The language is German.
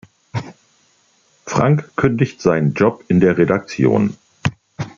Frank kündigt seinen Job in der Redaktion.